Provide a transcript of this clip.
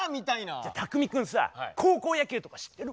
じゃあたくみ君さ高校野球とか知ってる？